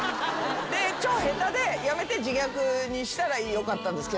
で超下手でやめて自虐にしたらよかったんですけど。